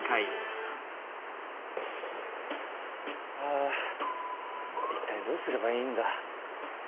あいったいどうすればいいんだ。